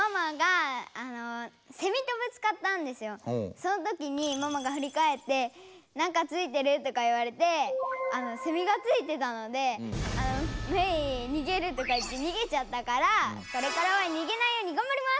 そのときにママがふりかえって「なんかついてる？」とか言われてセミがついてたのでメイ逃げるとか言って逃げちゃったからこれからは逃げないようにがんばります！